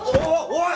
おい！